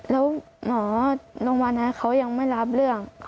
แล้วหมอโรงพยาบาลนั้นเขายังไม่รับเรื่อง